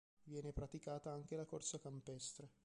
Viene praticata anche la corsa campestre.